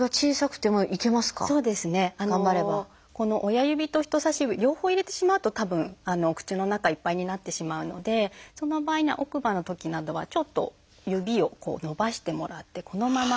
親指と人さし指両方入れてしまうとたぶんお口の中いっぱいになってしまうのでその場合には奥歯のときなどはちょっと指を伸ばしてもらってこのまま。